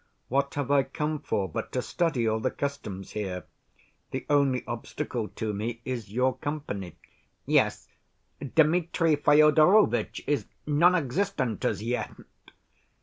What have I come for but to study all the customs here? The only obstacle to me is your company...." "Yes, Dmitri Fyodorovitch is non‐existent as yet."